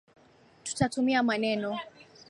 tutatumia maneno.